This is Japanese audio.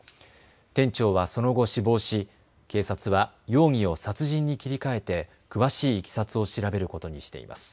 店長はその後、死亡し警察は容疑を殺人に切り替えて詳しいいきさつを調べることにしています。